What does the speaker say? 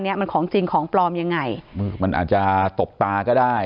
เนี้ยมันของจริงของปลอมยังไงมือมันอาจจะตบตาก็ได้